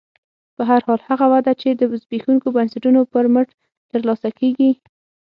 په هر حال هغه وده چې د زبېښونکو بنسټونو پر مټ ترلاسه کېږي